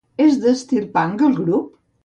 És d'estil punk el grup?